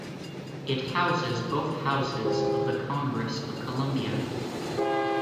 It houses both houses of the Congress of Colombia.